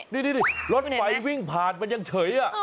นี่รถไฟวิ่งผ่านมันยังเฉย